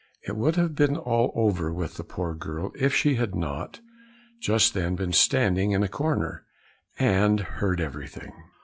It would have been all over with the poor girl if she had not just then been standing in a corner, and heard everything.